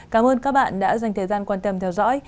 cảm ơn các bạn đã dành thời gian quan tâm theo dõi